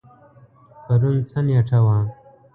پرون څه نیټه وه؟